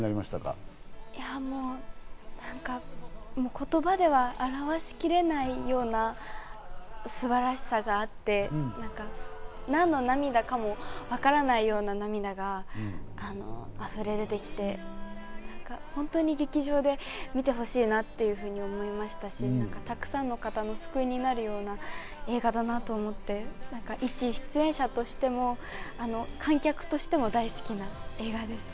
いやもう何か言葉では表しきれないような素晴らしさがあって、何の涙かもわからないような涙があふれ出てきて、本当に劇場で見てほしいなっていうふうに思いましたし、たくさんの方の救いになるような映画だなと思って、いち出演者としても観客としても大好きな映画です。